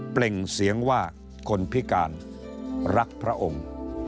เปล่งเสียงว่าคนพิการรักพระองค์